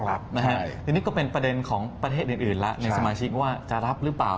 อันนี้ก็เป็นประเด็นของประเทศอื่นแล้วในสมาชิกว่าจะรับหรือเปล่า